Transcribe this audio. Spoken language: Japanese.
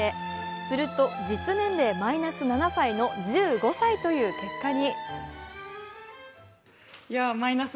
すると、実年齢マイナス７歳の１５歳という結果に。